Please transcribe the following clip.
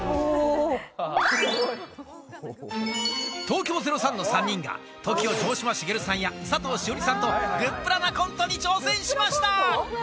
東京０３の３人が、ＴＯＫＩＯ・城島茂さんや佐藤栞里さんとグップラなコントに挑戦しました。